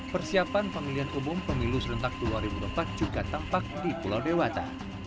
persiapan pemilihan umum pemilu serentak dua ribu dua puluh empat juga tampak di pulau dewata